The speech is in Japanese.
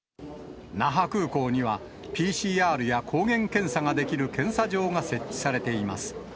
那覇空港には、ＰＣＲや抗原検査ができる検査場が設置されています。